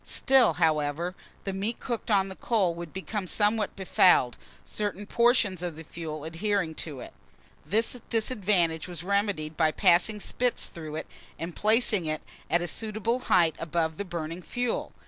Still, however, the meat cooked on the coal would become somewhat befouled, certain portions of the fuel adhering to it. This disadvantage was remedied by passing spits through it, and placing it at a suitable height above the burning fuel.